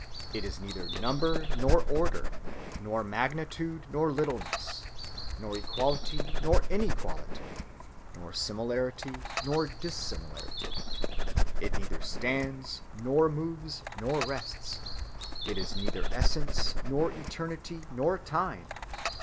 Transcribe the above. It is neither number, nor order, nor magnitude, nor littleness, nor equality, nor inequality, nor similarity, nor dissimilarity. It neither stands, nor moves, nor rests.... It is neither essence, nor eternity, nor time.